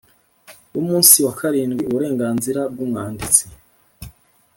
bumunsi wakarindi uburenganzira bwumwanditsi